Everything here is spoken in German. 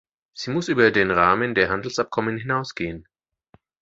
Sie muss über den Rahmen der Handelsabkommen hinausgehen.